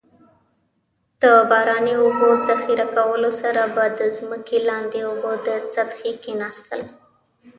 د باراني اوبو ذخیره کولو سره به د ځمکې لاندې اوبو د سطحې کیناستل.